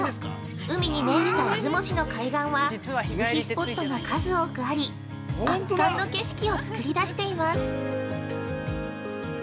海に面した出雲市の海岸は夕日スポットが数多くあり圧巻の景色を作り出しています。